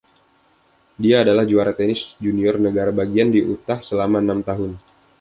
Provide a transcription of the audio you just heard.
Dia adalah juara tenis junior negara bagian di Utah selama enam tahun.